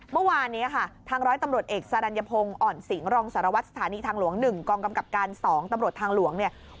เมื่อวานนี้ค่ะทางร้อยตำรวจเอกสรรยพงศ์อ่อนสิงหรองสารวัตรสถานีทางหลวง๑กองกำกับการ๒ตำรวจทางหลวงเนี่ย